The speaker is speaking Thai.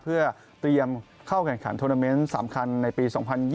เพื่อเตรียมเข้าแข่งขันโทรนาเมนต์สำคัญในปี๒๐๒๐